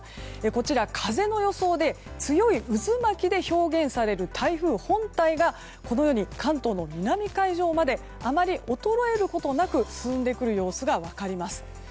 こちら、風の予想で強い渦巻きで表現される台風本体がこのように関東の南海上まであまり衰えることなく進んでくる様子が分かります。